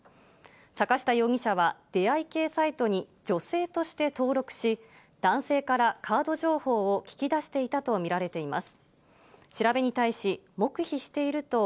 坂下容疑者は出会い系サイトに女性として登録し、男性からカード情報を聞き出していたとみられています。